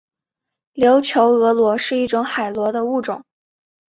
琉球峨螺是一种海螺的物种。